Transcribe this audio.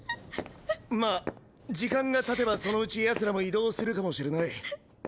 まあ時間がたてばそのうちヤツらも移動するかもしれない。